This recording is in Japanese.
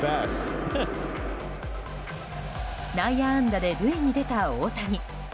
内野安打で塁に出た大谷。